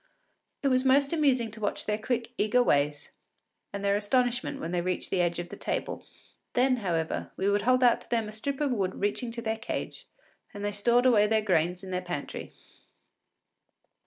It was most amusing to watch their quick, eager ways, and their astonishment when they reached the edge of the table. Then, however, we would hold out to them a strip of wood reaching to their cage, and they stored away their gains in their pantry.